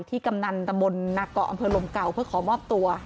กำนันตำบลนาเกาะอำเภอลมเก่าเพื่อขอมอบตัว